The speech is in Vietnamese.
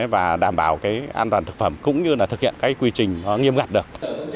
và đảm bảo an toàn thực phẩm cũng như là thực hiện quy trình nghiêm ngặt được